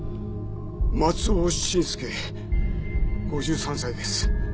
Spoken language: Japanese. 松尾慎介５３歳です。